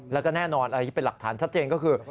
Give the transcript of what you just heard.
แล้วก็แน่นอนอันนี้เป็นหลักฐานชัดเจนก็คือ